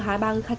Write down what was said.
hai ba người khách